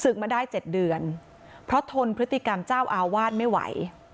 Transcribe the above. มาได้๗เดือนเพราะทนพฤติกรรมเจ้าอาวาสไม่ไหว